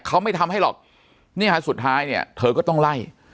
เขาไม่ทำให้หรอกนี่ฮะสุดท้ายเนี่ยเธอก็ต้องไล่